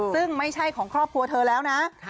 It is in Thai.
ซึ่งไม่ใช่ของครอบครัวเธอแล้วนะ